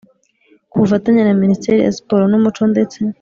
Ku bufatanye na minisiteri ya siporo n umuco ndetse